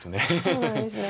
そうなんですね。